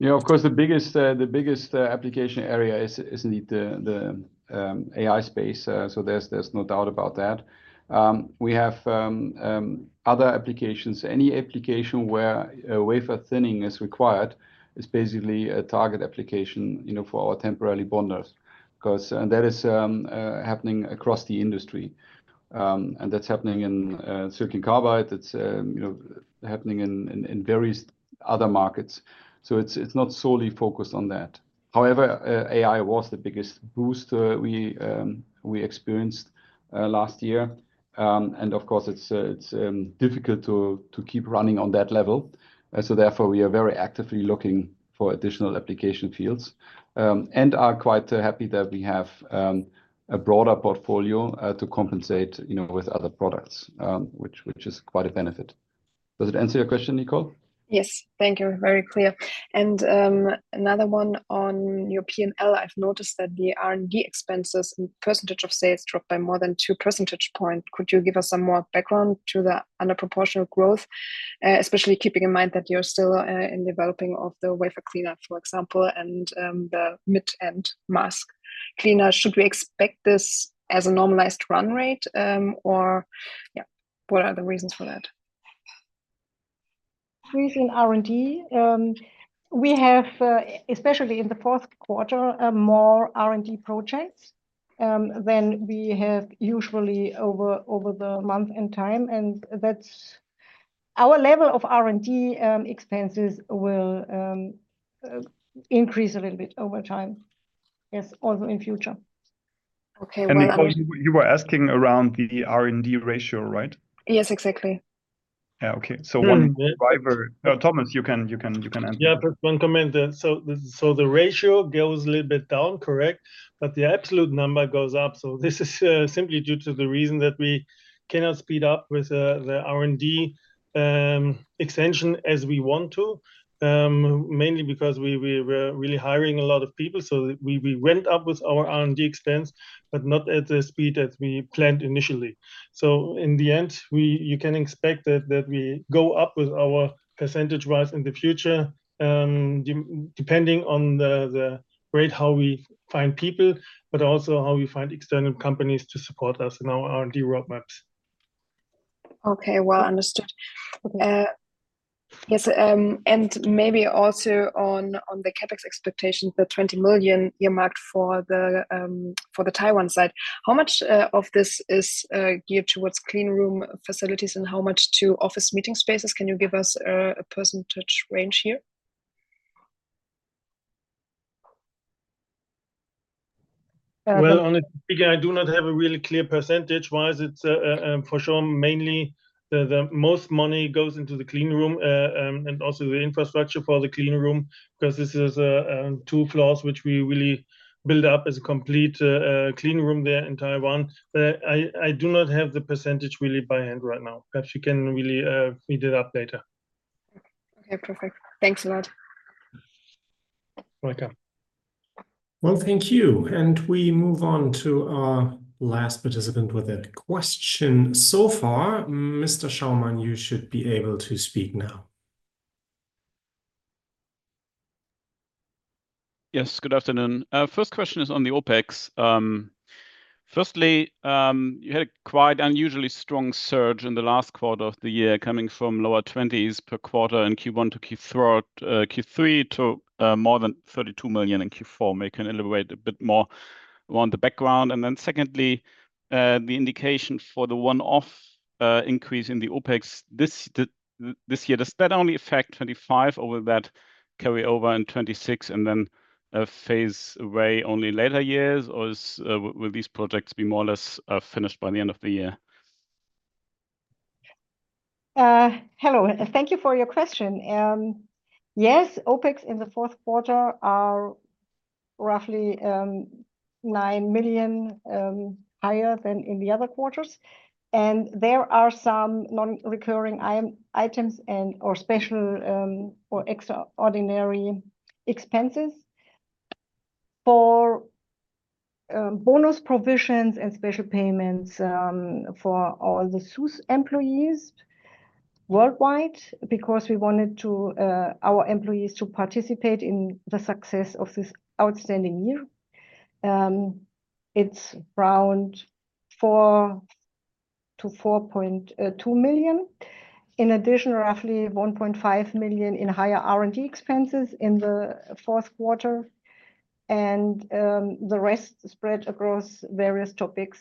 A: Yeah, of course, the biggest application area is indeed the AI space, so there's no doubt about that. We have other applications. Any application where wafer thinning is required is basically a target application for our temporary bonders because that is happening across the industry. That is happening in silicon carbide. It is happening in various other markets. It is not solely focused on that. However, AI was the biggest boost we experienced last year. It is difficult to keep running on that level. Therefore, we are very actively looking for additional application fields and are quite happy that we have a broader portfolio to compensate with other products, which is quite a benefit. Does it answer your question, Nicole?
D: Yes, thank you. Very clear. Another one on your P&L, I've noticed that the R&D expenses and percentage of sales dropped by more than two percentage points. Could you give us some more background to the under-proportional growth, especially keeping in mind that you're still in developing of the wafer cleaner, for example, and the mid-end mask cleaner? Should we expect this as a normalized run rate, or what are the reasons for that?
B: In R&D, we have, especially in the Q4, more R&D projects than we have usually over the month and time. Our level of R&D expenses will increase a little bit over time, yes, also in future.
D: Okay.
A: Nicole, you were asking around the R&D ratio, right? Yes, exactly. Yeah, okay. One driver, Thomas, you can answer.
E: Yeah, one comment. The ratio goes a little bit down, correct? The absolute number goes up. This is simply due to the reason that we cannot speed up with the R&D extension as we want to, mainly because we were really hiring a lot of people. We went up with our R&D expense, but not at the speed that we planned initially. In the end, you can expect that we go up with our percentage rise in the future, depending on the rate how we find people, but also how we find external companies to support us in our R&D roadmaps.
D: Okay, well understood. Yes. Maybe also on the CapEx expectations, the 20 million earmarked for the Taiwan site, how much of this is geared towards cleanroom facilities and how much to office meeting spaces? Can you give us a percentage range here?
E: At the beginning, I do not have a really clear percentage why. It's for sure mainly the most money goes into the cleanroom and also the infrastructure for the cleanroom because this is two floors which we really build up as a complete cleanroom there in Taiwan. I do not have the percentage really by hand right now. Perhaps you can really read it up later.
D: Okay, perfect. Thanks a lot.
E: Welcome.
C: Thank you. We move on to our last participant with a question so far. Mr. Schaumann, you should be able to speak now.
D: Yes, good afternoon. First question is on the OpEx. Firstly, you had a quite unusually strong surge in the last quarter of the year coming from lower 20s per quarter in Q1 to Q3 to more than 32 million in Q4. Maybe you can elaborate a bit more on the background. Then secondly, the indication for the one-off increase in the OpEx this year, does that only affect 2025 or that carryover in 2026 and then phase away only later years, or will these projects be more or less finished by the end of the year?
B: Hello, thank you for your question. Yes, OpEx in the fourth quarter are roughly 9 million higher than in the other quarters. There are some non-recurring items or special or extraordinary expenses for bonus provisions and special payments for all the SUSS employees worldwide because we wanted our employees to participate in the success of this outstanding year. It is around 4-4.2 million. In addition, roughly 1.5 million in higher R&D expenses in the Q4. The rest spread across various topics,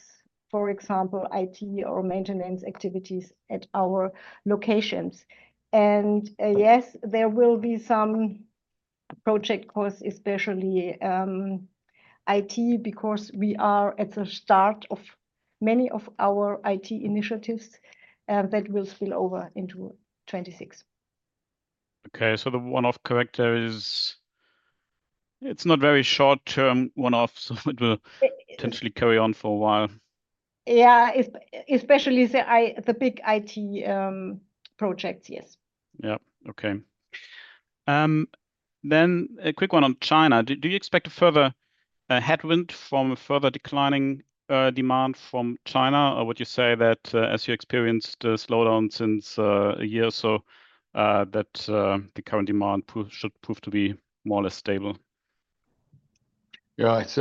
B: for example, IT or maintenance activities at our locations. Yes, there will be some project costs, especially IT, because we are at the start of many of our IT initiatives that will spill over into 2026.
D: The one-off character is it's not very short-term one-off, so it will potentially carry on for a while. Especially the big IT projects, yes. A quick one on China. Do you expect a further headwind from further declining demand from China, or would you say that as you experienced the slowdown since a year or so that the current demand should prove to be more or less stable?
A: It's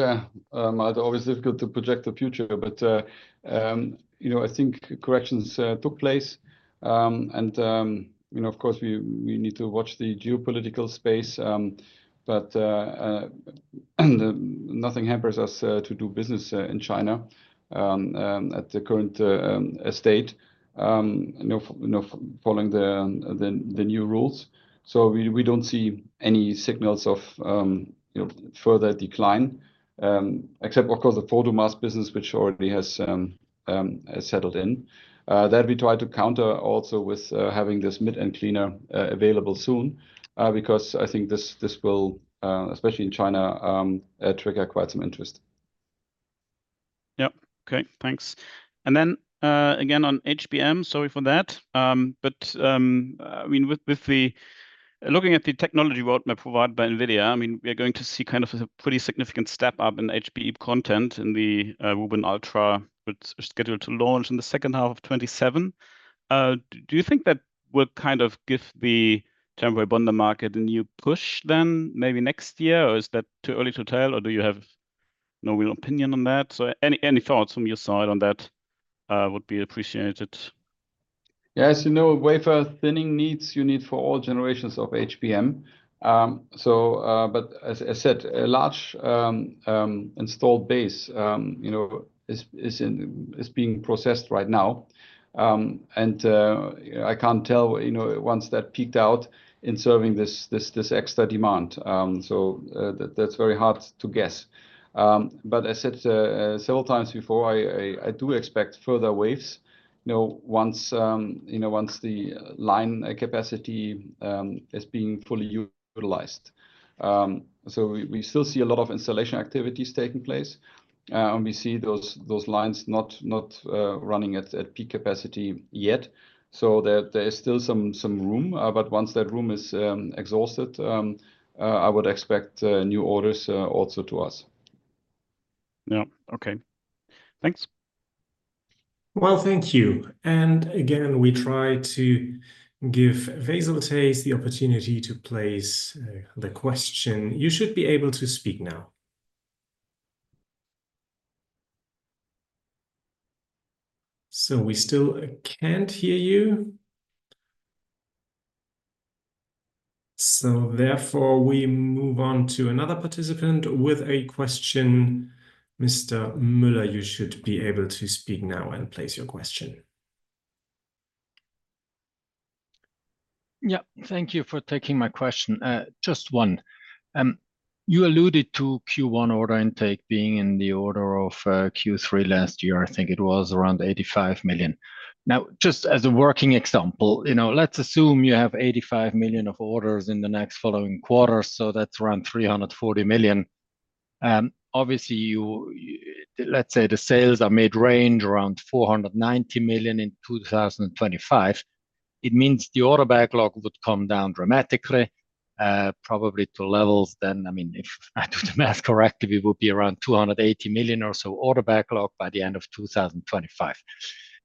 A: always difficult to project the future, but I think corrections took place. Of course, we need to watch the geopolitical space, but nothing hampers us to do business in China at the current state following the new rules. We do not see any signals of further decline, except of course the photomask business, which already has settled in. We try to counter that also with having this mid-end cleaner available soon because I think this will, especially in China, trigger quite some interest.
D: Yeah, okay, thanks. Then again on HBM, sorry for that. I mean, looking at the technology roadmap provided by NVIDIA, I mean, we are going to see kind of a pretty significant step up in HBM content in the Rubin Ultra, which is scheduled to launch in the second half of 2027. Do you think that would kind of give the temporary bond market a new push then maybe next year, or is that too early to tell, or do you have no real opinion on that? Any thoughts from your side on that would be appreciated.
A: Yeah, as you know, wafer thinning needs you need for all generations of HBM. As I said, a large installed base is being processed right now. I can't tell once that peaked out in serving this extra demand. That's very hard to guess. I said several times before, I do expect further waves once the line capacity is being fully utilized. We still see a lot of installation activities taking place. We see those lines not running at peak capacity yet. There is still some room. Once that room is exhausted, I would expect new orders also to us. Yeah, okay. Thanks.
C: Thank you. Again, we try to give Veysel Taze the opportunity to place the question. You should be able to speak now. We still can't hear you. Therefore, we move on to another participant with a question. Mr. Müller, you should be able to speak now and place your question.
G: Yeah, thank you for taking my question. Just one. You alluded to Q1 order intake being in the order of Q3 last year. I think it was around 85 million. Now, just as a working example, let's assume you have 85 million of orders in the next following quarter, so that's around 340 million. Obviously, let's say the sales are mid-range around 490 million in 2025. It means the order backlog would come down dramatically, probably to levels then. I mean, if I do the math correctly, it would be around 280 million or so order backlog by the end of 2025.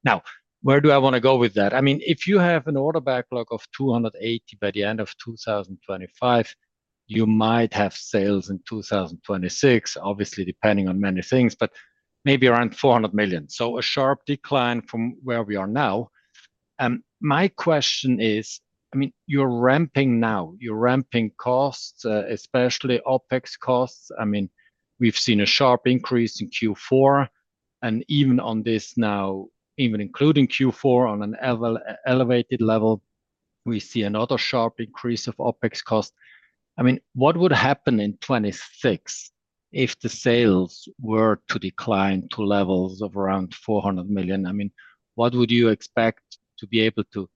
G: Now, where do I want to go with that? I mean, if you have an order backlog of 280 million by the end of 2025, you might have sales in 2026, obviously depending on many things, but maybe around 400 million. A sharp decline from where we are now. My question is, I mean, you're ramping now. You're ramping costs, especially OpEx costs. I mean, we've seen a sharp increase in Q4. Even on this now, even including Q4 on an elevated level, we see another sharp increase of OpEx costs. I mean, what would happen in 2026 if the sales were to decline to levels of around 400 million? I mean, what would you expect to be able to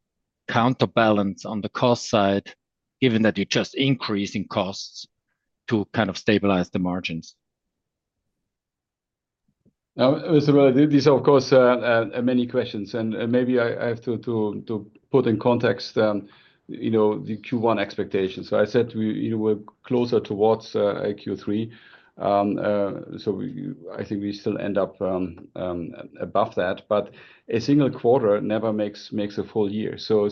G: counterbalance on the cost side, given that you're just increasing costs to kind of stabilize the margins?
A: These are, of course, many questions. Maybe I have to put in context the Q1 expectations. I said we're closer towards Q3. I think we still end up above that. A single quarter never makes a full year. We will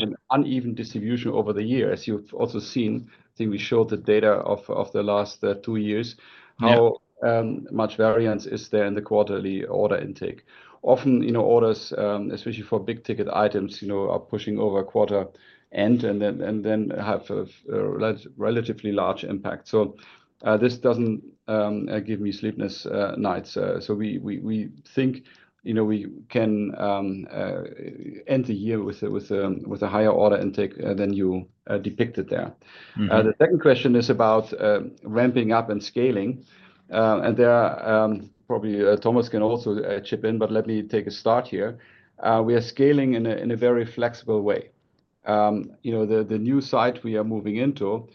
A: have an uneven distribution over the year. As you've also seen, I think we showed the data of the last two years, how much variance is there in the quarterly order intake. Often, orders, especially for big ticket items, are pushing over quarter end and then have a relatively large impact. This doesn't give me sleepless nights. We think we can end the year with a higher order intake than you depicted there. The second question is about ramping up and scaling. There probably Thomas can also chip in, but let me take a start here. We are scaling in a very flexible way. The new site we are moving into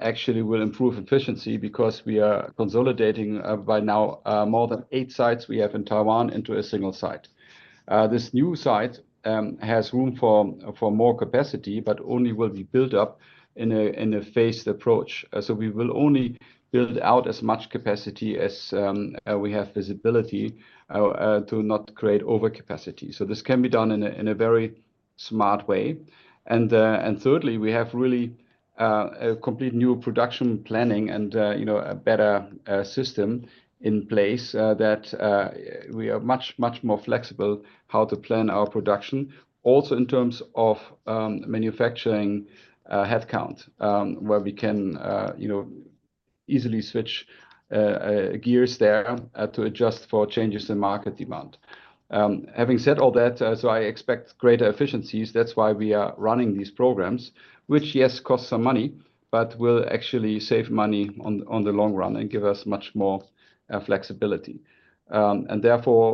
A: actually will improve efficiency because we are consolidating by now more than eight sites we have in Taiwan into a single site. This new site has room for more capacity, but only will be built up in a phased approach. We will only build out as much capacity as we have visibility to not create overcapacity. This can be done in a very smart way. Thirdly, we have really a complete new production planning and a better system in place that we are much, much more flexible how to plan our production. Also in terms of manufacturing headcount, where we can easily switch gears there to adjust for changes in market demand. Having said all that, I expect greater efficiencies. is why we are running these programs, which yes, costs some money, but will actually save money in the long run and give us much more flexibility. Therefore,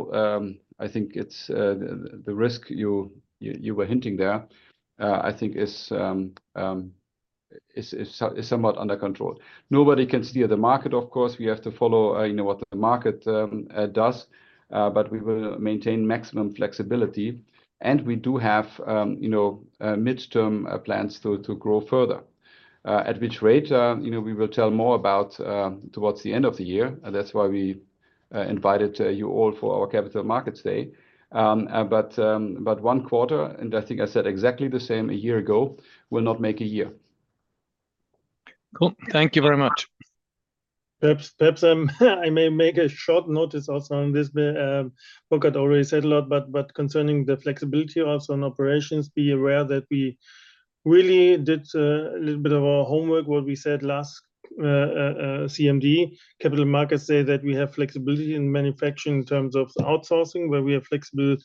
A: I think the risk you were hinting at there, I think, is somewhat under control. Nobody can steer the market, of course. We have to follow what the market does, but we will maintain maximum flexibility. We do have midterm plans to grow further. At which rate we will tell more about towards the end of the year. That is why we invited you all for our Capital Markets Day. One quarter, and I think I said exactly the same a year ago, will not make a year.
D: Cool. Thank you very much.
E: Perhaps I may make a short notice also on this. Burkhardt already said a lot, but concerning the flexibility also in operations, be aware that we really did a little bit of our homework, what we said last CMD. Capital Markets Day that we have flexibility in manufacturing in terms of outsourcing, where we have flexible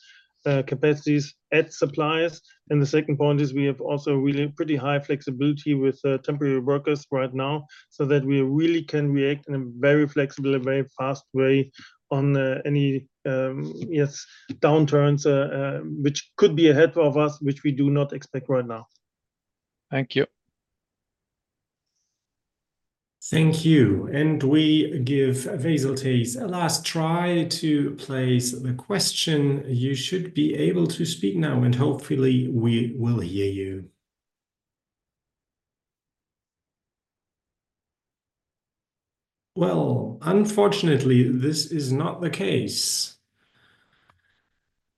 E: capacities at suppliers. The second point is we have also really pretty high flexibility with temporary workers right now so that we really can react in a very flexible, very fast way on any downturns, which could be ahead of us, which we do not expect right now.
D: Thank you.
C: Thank you. We give Veysel Taze a last try to place the question. You should be able to speak now, and hopefully we will hear you. Unfortunately, this is not the case.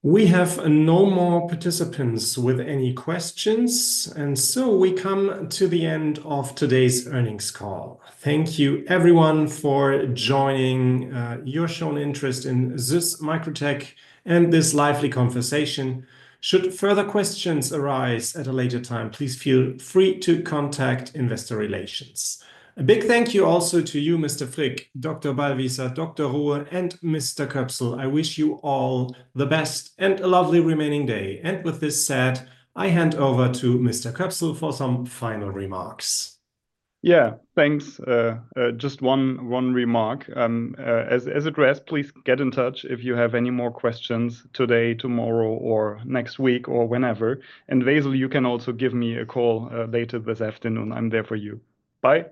C: We have no more participants with any questions. We come to the end of today's earnings call. Thank you, everyone, for joining. Your shown interest in SUSS MicroTec and this lively conversation. Should further questions arise at a later time, please feel free to contact Investor Relations. A big thank you also to you, Mr. Frick, Dr. Ballwieser, Dr. Rohe, and Mr. Köpsel. I wish you all the best and a lovely remaining day. With this said, I hand over to Mr. Köpsel for some final remarks.
H: Yeah, thanks. Just one remark. As addressed, please get in touch if you have any more questions today, tomorrow, or next week, or whenever. Veysel, you can also give me a call later this afternoon. I'm there for you. Bye.